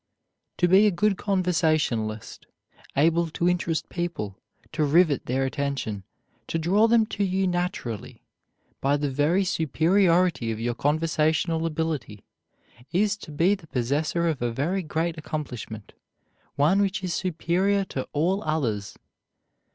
To be a good conversationalist, able to interest people, to rivet their attention, to draw them to you naturally, by the very superiority of your conversational ability, is to be the possessor of a very great accomplishment, one which is superior to all others.